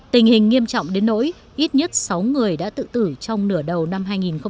tình hình nghiêm trọng đến nỗi ít nhất sáu người đã tự tử trong nửa đầu năm hai nghìn hai mươi